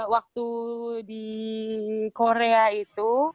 waktu di korea itu